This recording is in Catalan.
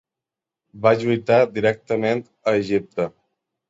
Va lluitar directament a Egipte.